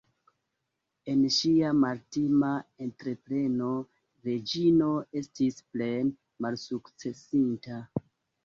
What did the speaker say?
En ŝia maltima entrepreno Reĝino estis plene malsukcesinta.